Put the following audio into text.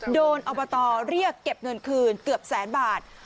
อบตเรียกเก็บเงินคืนเกือบแสนบาท